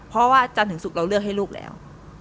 เพราะว่าจันทร์ถึงศุกร์เราเลือกให้ลูกแล้ว